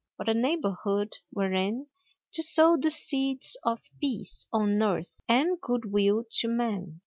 What a neighborhood wherein to sow the seeds of "peace on earth and good will to men."